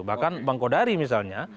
bahkan bang kodari misalnya